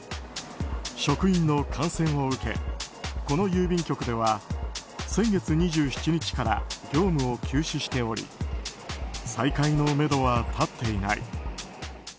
職員の感染を受けこの郵便局では先月２７日から業務を休止しており再開のめどは立っていない。